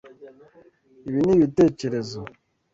Ibi nibitekerezo?